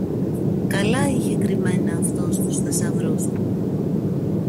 Καλά είχε κρυμμένα αυτός τους θησαυρούς του!